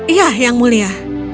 iya yang mulia